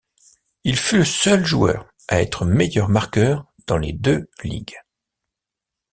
Il fut le seul joueur à être meilleur marqueur dans les deux ligues.